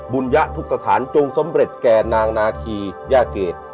บุญยะทุกสถานจงสำเร็จแก่นางนาคีย่าเกรด